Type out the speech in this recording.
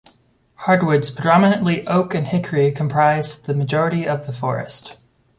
Hardwoods, predominantly oak and hickory, comprise the majority of the forest.